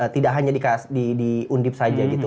tidak hanya di undip saja gitu